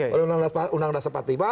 oleh undang undang dasar patiba